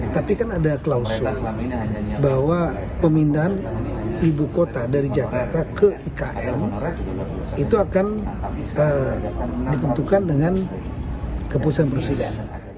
tapi kan ada klausul bahwa pemindahan ibu kota dari jakarta ke ikn itu akan ditentukan dengan keputusan presiden